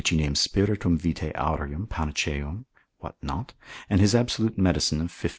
he names Spiritum vitae aureum, Panaceam, what not, and his absolute medicine of 50 eggs, curat.